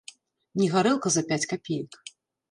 Не гарэлка за пяць капеек.